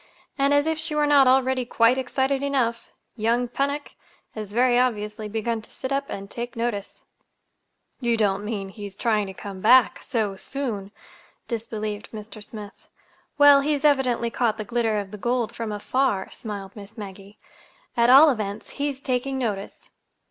And, as if she were not already quite excited enough, young Pennock has very obviously begun to sit up and take notice." "You don't mean he is trying to come back—so soon!" disbelieved Mr. Smith. "Well, he's evidently caught the glitter of the gold from afar," smiled Miss Maggie. "At all events, he's taking notice."